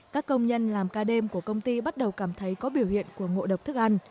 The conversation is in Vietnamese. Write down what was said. các công nhân làm ca đêm của công ty bắt đầu cảm thấy có biểu hiện của ngộ độc thức ăn